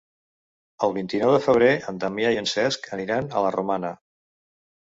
El vint-i-nou de febrer en Damià i en Cesc aniran a la Romana.